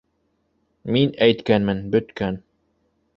— Мин әйткәнмен, бөткән.